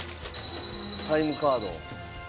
タイムカード。